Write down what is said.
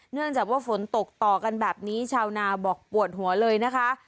เนื่องจากว่าฝนตกต่อกันแบบนี้ชาวนาบอกปวดหัวเลยนะคะ